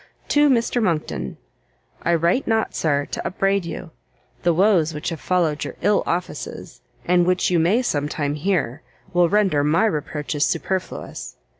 To Mr Monckton. I write not, Sir, to upbraid you; the woes which have followed your ill offices, and which you may some time hear, will render my reproaches superfluous.